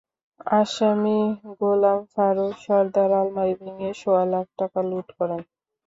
আসামি গোলাম ফারুক সরদার আলমারি ভেঙে সোয়া লাখ টাকা লুট করেন।